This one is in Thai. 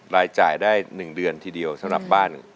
รายจ่ายได้๑เดือนทีเดียวสำหรับบ้าน